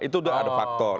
itu sudah ada faktor